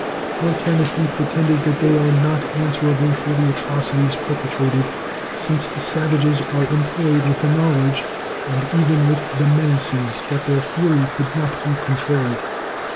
Nor can it be pretended that they are not answerable for the atrocities perpetrated, since the savages are employed with a knowledge, and even with menaces, that their fury could not be controlled.